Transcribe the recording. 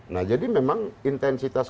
nah jadi memang intensitas